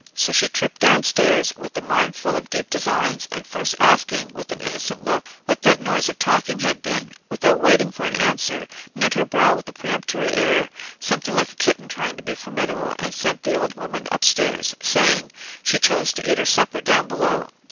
So she tripped down stairs with a mind full of deep designs, and first asking with an innocent look what that noise of talking had been, without waiting for an answer, knit her brow with a peremptory air, something like a kitten trying to be formidable, and sent the old woman upstairs; saying, she chose to eat her supper down below.